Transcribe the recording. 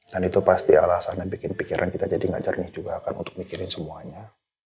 dan itu pasti alasannya bikin pikiran kita jadi nggak cernih juga akan untuk mikirin semuanya